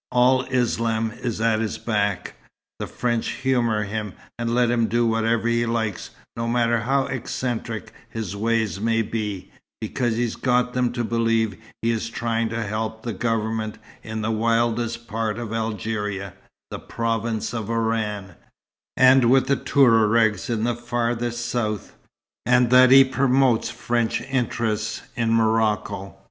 "All Islam is at his back. The French humour him, and let him do whatever he likes, no matter how eccentric his ways may be, because he's got them to believe he is trying to help the Government in the wildest part of Algeria, the province of Oran and with the Touaregs in the farthest South; and that he promotes French interests in Morocco.